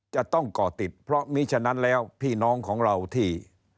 จะต้องก่อติดเพราะมีฉะนั้นแล้วพี่น้องของเราที่